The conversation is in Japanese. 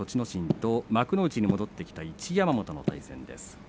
心と幕内に戻ってきた一山本の対戦です。